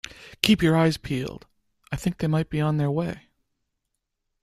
Keep your eyes peeled! I think they might be on their way.